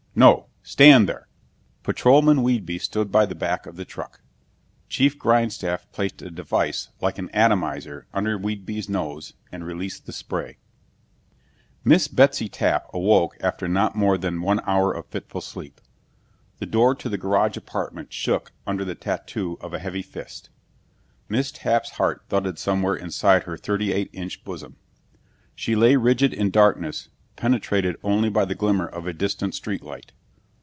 No, stand there." Patrolman Whedbee stood by the back of the truck. Chief Grindstaff placed a device like an atomizer under Whedbee's nose and released the spray. Miss Betsy Tapp awoke after not more than one hour of fitful sleep. The door to the garage apartment shook under the tattoo of a heavy fist. Miss Tapp's heart thudded somewhere inside her thirty eight inch bosom. She lay rigid in darkness penetrated only by the glimmer of a distant street light.